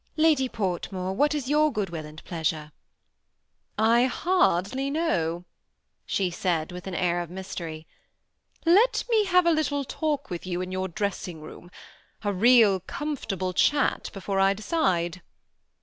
Lady Portmore, what is your good will and pleasure?'' " I hardly know," she said, with an air of mystery. " Let me have a little talk with you in your dressing room, a real comfortable chat, before I decide."